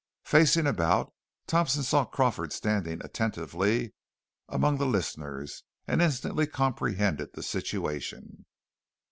Facing about, Thompson saw Crawford standing attentively among the listeners, and instantly comprehended the situation.